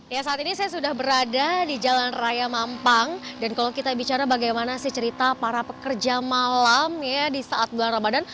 ya saat ini saya sudah berada di jalan raya mampang dan kalau kita bicara bagaimana sih cerita para pekerja malam ya di saat bulan ramadan